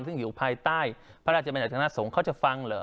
ซึ่งอยู่ภายใต้พระราชบัญญัชนสงฆ์เขาจะฟังเหรอ